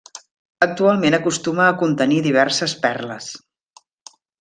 Actualment acostuma a contenir diverses perles.